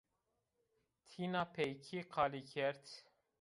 Tînapeykî qalî kerd